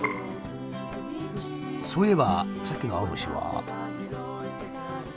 そういえばさっきの青虫は？